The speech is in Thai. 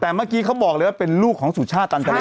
แต่เมื่อกี้เขาบอกเลยว่าเป็นลูกของสุชาติตันเจริญ